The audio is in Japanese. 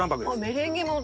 メレンゲも。